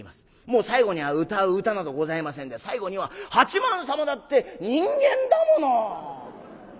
もう最後には歌う歌などございませんで最後には「八幡様だって人間だもの」。